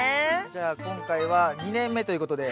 じゃあ今回は２年目ということで。